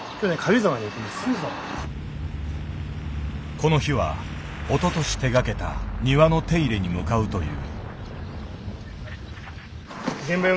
この日はおととし手がけた庭の手入れに向かうという。